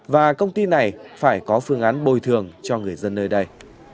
và công ty này phải có phương án bồi thường cho người dân nơi đây